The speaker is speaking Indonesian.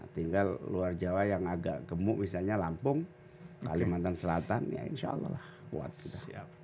tinggal luar jawa yang agak gemuk misalnya lampung kalimantan selatan ya insya allah kuat sudah siap